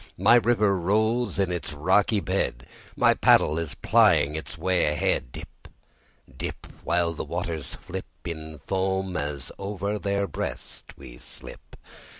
The river rolls in its rocky bed; My paddle is plying its way ahead; Dip, dip, While the waters flip In foam as over their breast we slip.